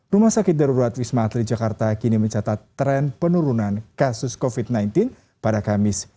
rumah sakit darurat wisma atlet jakarta kini mencatat tren penurunan kasus covid sembilan belas pada kamis